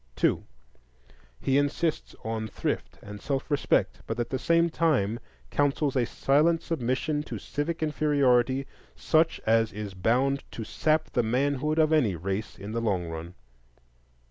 2. He insists on thrift and self respect, but at the same time counsels a silent submission to civic inferiority such as is bound to sap the manhood of any race in the long run.